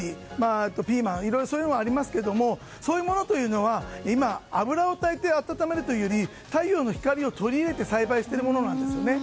あとはピーマンなどありますけどそういうものは今、油をたいて温めるというより太陽の光を取り入れて栽培しているものなんです。